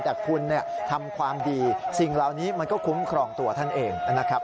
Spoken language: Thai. แต่คุณทำความดีสิ่งเหล่านี้มันก็คุ้มครองตัวท่านเองนะครับ